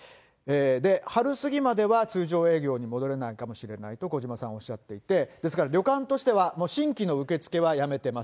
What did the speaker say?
で、春過ぎまでは通常営業に戻れないかもしれないと、小嶋さんおっしゃっていて、ですから旅館としては、もう新規の受け付けはやめてます。